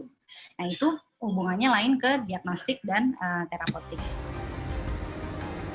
nah itu hubungannya lain ke diagnostik dan terapotik